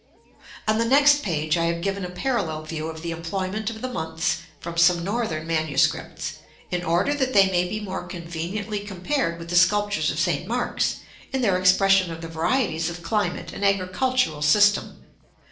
§ LIII. On the next page I have given a parallel view of the employment of the months from some Northern manuscripts, in order that they may be more conveniently compared with the sculptures of St. Mark's, in their expression of the varieties of climate and agricultural system.